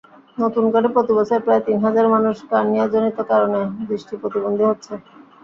নতুন করে প্রতিবছর প্রায় তিন হাজার মানুষ কর্নিয়াজনিত কারণে দৃষ্টি প্রতিবন্ধী হচ্ছে।